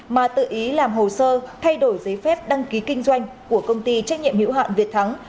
mà tự ý làm hồ sơ thay đổi giấy phép đăng ký kinh doanh của công ty trách nhiệm hữu hạn việt thắng